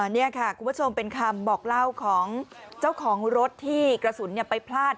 นี่ค่ะคุณผู้ชมเป็นคำบอกเล่าของเจ้าของรถที่กระสุนไปพลาด